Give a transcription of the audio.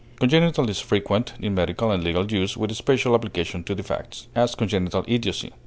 Congenital is frequent in medical and legal use with special application to defects; as, congenital idiocy.